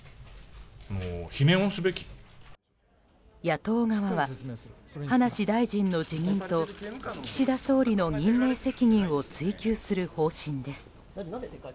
野党側は葉梨大臣の辞任と岸田総理の任命責任を追及する方針です。